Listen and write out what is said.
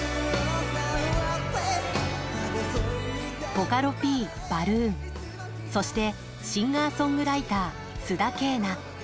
ボカロＰ、バルーンそしてシンガーソングライター須田景凪。